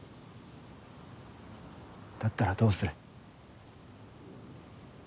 だったらどうする？